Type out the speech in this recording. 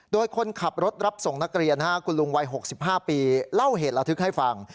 โดยคนขับรถรับส่งนักเรียนคุณลุงวัย๖๕ปีเล่าเหตุระทึกให้ฟัง